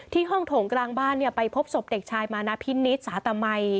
ห้องโถงกลางบ้านไปพบศพเด็กชายมานาพินิษฐ์สาตมัย